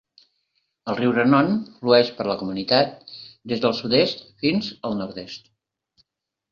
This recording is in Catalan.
El riu Renon flueix per la comunitat des del sud-est fins el nord-est.